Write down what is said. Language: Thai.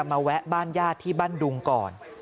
แวะบ้านญาติที่บ้านดุงก่อน